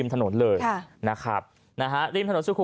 ริมถนนสุขุมวิทย์ข่าวเข้าไสติฮีบ